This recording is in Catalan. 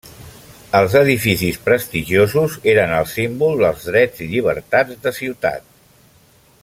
Els edificis prestigiosos eren el símbol dels drets i llibertats de ciutat.